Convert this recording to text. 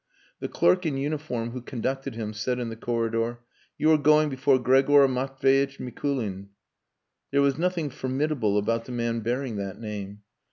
The clerk in uniform who conducted him said in the corridor "You are going before Gregor Matvieitch Mikulin." There was nothing formidable about the man bearing that name.